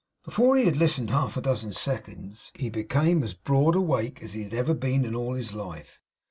Before he had listened half a dozen seconds, he became as broad awake as ever he had been in all his life.